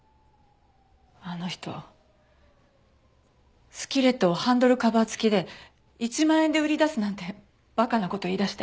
「あの人スキレットをハンドルカバー付きで１万円で売り出すなんて馬鹿な事言い出して」